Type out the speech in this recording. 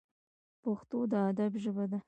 پښتو د ادب ژبه ده